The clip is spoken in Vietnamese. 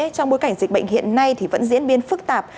trong bối cảnh dịch bệnh hiện nay vẫn diễn biến phức tạp